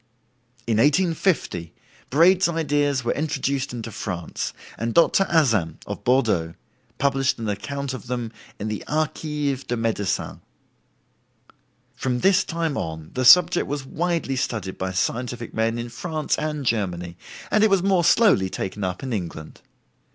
In 1850 Braid's ideas were introduced into France, and Dr. Azam, of Bordeaux, published an account of them in the "Archives de Medicine." From this time on the subject was widely studied by scientific men in France and Germany, and it was more slowly taken up in England.